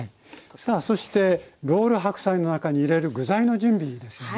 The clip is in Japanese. さあそしてロール白菜の中に入れる具材の準備ですよね。